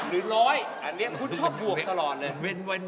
หรือ๑๐๐อันนี้คุณชอบบวกตลอดเลย